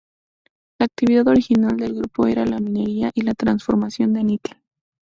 La actividad original del grupo era la minería y la transformación del níquel.